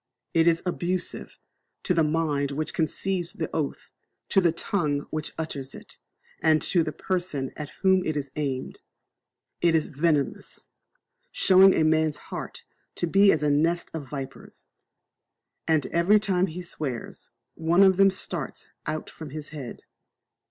It is abusive to the mind which conceives the oath, to the tongue which utters it, and to the person at whom it is aimed. It is venomous, showing a man's heart to be as a nest of vipers; and every time he swears, one of them starts out from his head.